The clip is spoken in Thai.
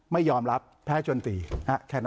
ไม่ยอมรับแพ้ชนตรีแค่นั้นเองจบ